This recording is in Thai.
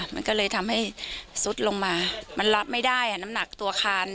มันก็เลยทำให้ซุดลงมามันรับไม่ได้น้ำหนักตัวคาน